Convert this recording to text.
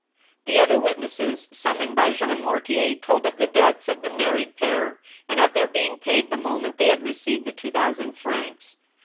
The other witnesses, summoned by Jean Mortier, told of the debts of the married pair, and of their being paid the moment they had received the two thousand francs.